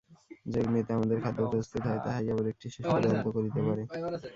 যে-অগ্নিতে আমাদের খাদ্য প্রস্তুত হয়, তাহাই আবার একটি শিশুকে দগ্ধ করিতে পারে।